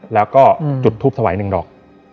แล้วก็จุดทูปถวาย๑ดอก